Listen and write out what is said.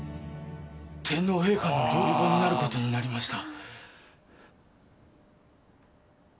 天皇陛下の料理番になることになりました。